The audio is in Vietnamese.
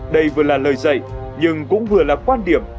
đây vừa là lời dạy nhưng cũng vừa là quan điểm